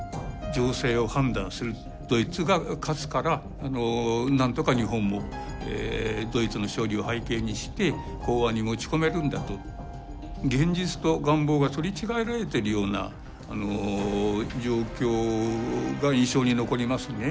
ドイツが勝つからなんとか日本もドイツの勝利を背景にして講和に持ち込めるんだと現実と願望が取り違えられてるような状況が印象に残りますね。